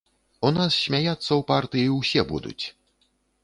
У нас смяяцца ў партыі ўсе будуць!